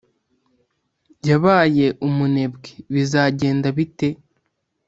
yabaye umunebwe bizagenda bite?